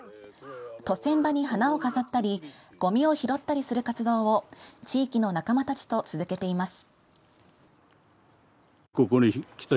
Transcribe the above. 渡船場に花を飾ったりごみを拾ったりする活動を地域の仲間たちと続けています。